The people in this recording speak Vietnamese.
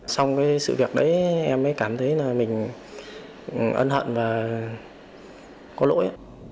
xong cái sự việc đấy em mới cảm thấy là mình ân hận và có lỗi